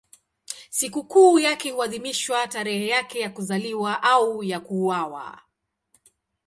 Sikukuu yake huadhimishwa tarehe yake ya kuzaliwa au ya kuuawa.